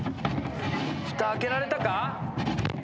ふた開けられたか？